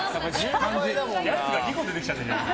やつが２個出てきちゃったじゃん。